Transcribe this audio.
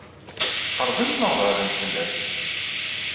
Qeṛbent neɣ beɛdent fell-as?